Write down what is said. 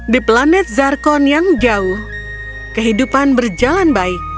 di planet zarkon yang jauh kehidupan berjalan baik